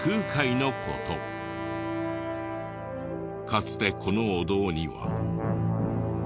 かつてこのお堂には。